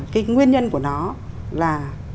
cái nguyên nhân của nó là